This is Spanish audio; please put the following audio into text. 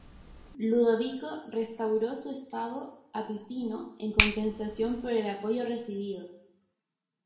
Ludovico restauró su estado a Pipino en compensación por el apoyo recibido.